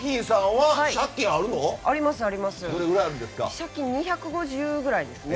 借金は２５０くらいですね。